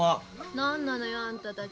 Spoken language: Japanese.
何なのよあんたたち。